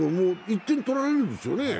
１点取られるんですよね？